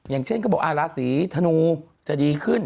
อย่างเช่นก็บอกราศีธนูจะดีขึ้น